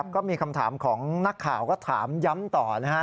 ก็มีคำถามของนักข่าวก็ถามย้ำต่อนะฮะ